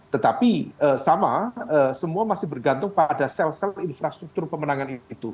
tetapi sama semua masih bergantung pada sel sel infrastruktur pemenangan itu